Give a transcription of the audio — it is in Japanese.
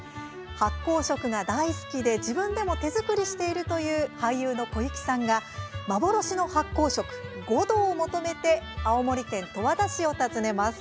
発酵食が大好きで自分でも手作りしているという俳優の小雪さんが幻の発酵食「ごど」を求めて青森県十和田市を訪ねます。